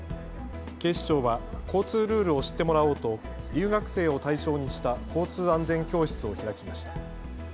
警視庁は交通ルールを知ってもらおうと留学生を対象にした交通安全教室を開きました。